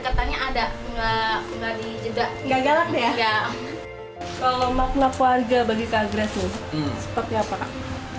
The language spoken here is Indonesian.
kalau makna keluarga bagi kak grace seperti apa kak